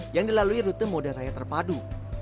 yang dilalui rute moda raya terpadu